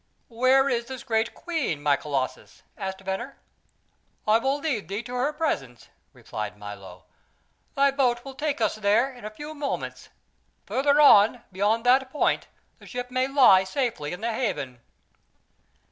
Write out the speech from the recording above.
"Where is this great queen, my Colossus?" Venner asked. "I will lead thee to her presence," replied Milo. "Thy boat will take us there in a few moments. Further on, beyond that point, the ship may lie safely in the haven."